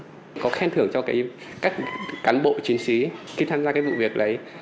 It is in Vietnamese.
cũng có khen thưởng cho các cán bộ chiến sĩ khi tham gia cái vụ việc đấy